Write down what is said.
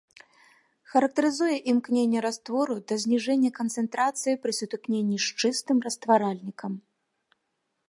Характарызуе імкненне раствору да зніжэння канцэнтрацыі пры сутыкненні з чыстым растваральнікам.